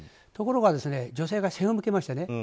ところが女性が背を向けましたね。